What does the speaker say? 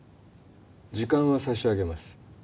時間は差し上げます